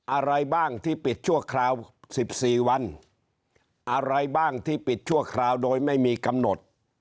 อะไรบ้างที่ปิดชั่วคราว๑๔วันอะไรบ้างที่ปิดชั่วคราวโดยไม่มีกำหนด